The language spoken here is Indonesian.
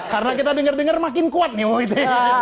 karena kita denger denger makin kuat nih